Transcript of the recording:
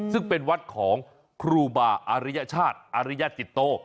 ซึ่งเป็นวัดของครูบาอาริยชาติอริยจิตโต